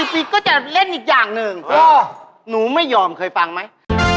ฟิตก็จะเล่นอีกอย่างหนึ่งหนูไม่ยอมเคยฟังไหม